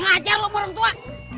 nggak ngajar lu sama orang tua